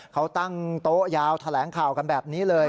เขาตั้งโต๊ะยาวแถลงข่าวกันแบบนี้เลย